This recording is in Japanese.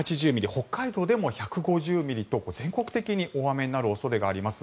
北海道でも１５０ミリと全国的に大雨になる恐れがあります。